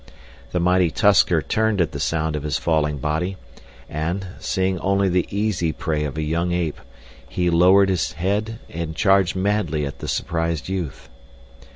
The mighty tusker turned at the sound of his falling body, and, seeing only the easy prey of a young ape, he lowered his head and charged madly at the surprised youth.